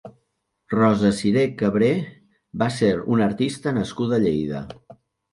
Rosa Siré Cabré va ser una artista nascuda a Lleida.